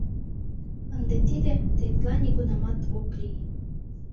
Ынде тиде тетла нигунамат ок лий.